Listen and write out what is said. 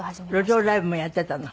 路上ライブもやってたの？